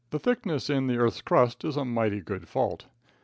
Thickness in the earth's crust is a mighty good fault.